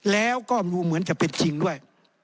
แล้วก็ดูเหมือนจะเป็นจริงด้วย